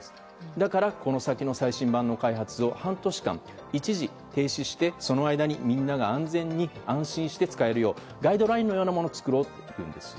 だからこの先の最新版の開発を半年間、一時停止してその間にみんなが安全に安心して使えるようガイドラインのようなものを作ろうというんですよ。